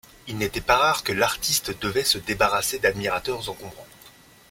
Il n'était pas rare que l'artiste devait se débarrasser d'admirateurs encombrants.